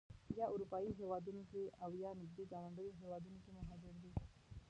یا اروپایي هېوادونو کې او یا نږدې ګاونډیو هېوادونو کې مهاجر دي.